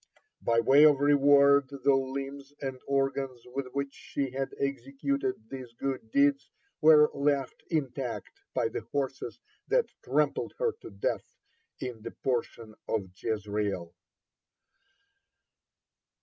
By way of reward the limbs and organs with which she had executed these good deeds were left intact by the horses that trampled her to death in the portion of Jezreel.